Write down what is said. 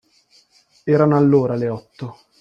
Erano allora le otto.